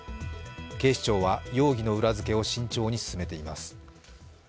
警視庁は容疑の裏付けを慎重に進めています。